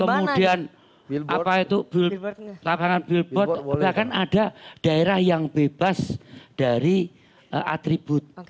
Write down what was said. kemudian apa itu lapangan billboard bahkan ada daerah yang bebas dari atribut